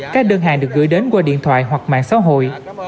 các đơn hàng được gửi đến qua điện thoại hoặc mạng xã hội